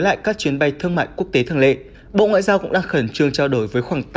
lại các chuyến bay thương mại quốc tế thường lệ bộ ngoại giao cũng đang khẩn trương trao đổi với khoảng